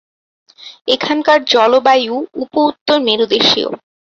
এখানকার জলবায়ু উপ-উত্তর মেরুদেশীয়।